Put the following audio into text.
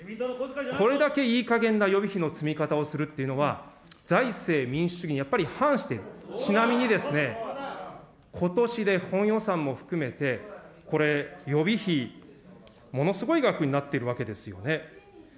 これだけいいかげんな予備費の積み方をするっていうのは、財政、民主主義にやっぱり反してる、ちなみにですね、ことしで本予算も含めて、これ、予備費、ものすごい額になってるわけですよね。